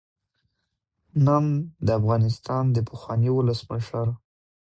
نن د افغانستان د پخواني ولسمشر